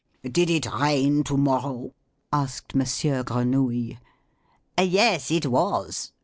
" Did it rain to morrow ?" asked Monsieur Gre nouille. "Yes it was